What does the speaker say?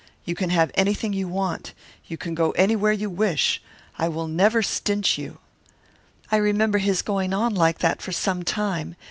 You can have anything you want. You can go anywhere you wish. I will never stint you.' "I remember his going on like that for some time.